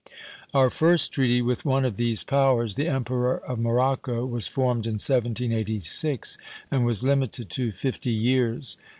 Our first treaty with one of these powers, the Emperor of Morocco, was formed in 1786, and was limited to fifty years.